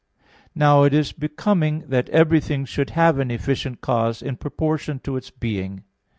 Now, it is becoming that everything should have an efficient cause in proportion to its being.